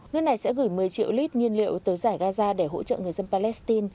nước này sẽ gửi một mươi triệu lít nhiên liệu tới giải gaza để hỗ trợ người dân palestine